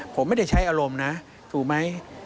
ผมไม่ได้ใช้อารมณ์นะถูกไหม